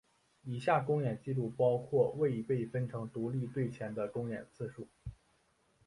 以下公演记录包括未被分成独立队前的公演次数。